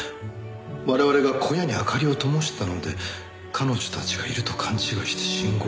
我々が小屋に明かりをともしたので彼女たちがいると勘違いして信号を発した。